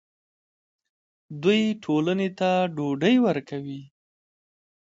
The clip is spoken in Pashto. دوی ټولنې ته ډوډۍ ورکوي.